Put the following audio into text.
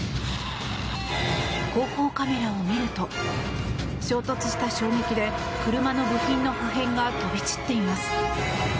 後方カメラを見ると衝突した衝撃で車の部品の破片が飛び散っています。